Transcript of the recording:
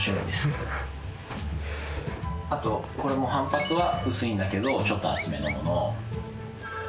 あとこれも反発は薄いんだけどちょっと厚めのもの。